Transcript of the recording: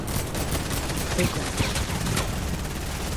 ¿E con quen?